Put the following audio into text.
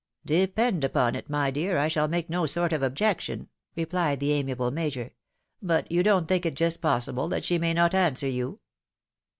" Depend upon it, my dear, I shall make no sort of objection," replied the amiable Major ;" but don't you think it just possible that she may not answer you